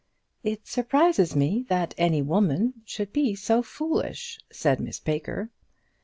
"It surprises me that any woman should be so foolish," said Miss Baker.